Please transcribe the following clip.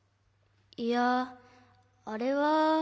いやあれは。